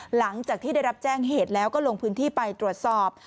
หลังจากที่ได้รับแจ้งเหตุแล้วก็ลงพื้นที่ไปตรวจสอบ